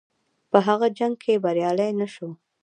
په هغه جنګ کې بریالی نه شو.